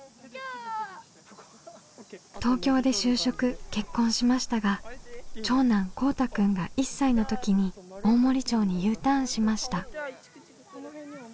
東京で就職結婚しましたが長男こうたくんが１歳の時に大森町にＵターンしました。